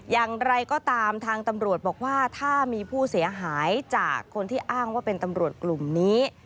อย่างไรก็ตามทางตำรวจบอกว่าถ้ามีผู้เสียหายจากคนที่อ้างว่าเป็นตำรวจกลุ่มนี้